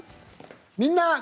「みんな！